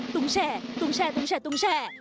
ตุ้งแช่ตุ้งแช่ตุ้งแชร์ตุ้งแช่